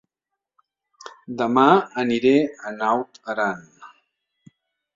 Dema aniré a Naut Aran